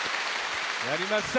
やりました！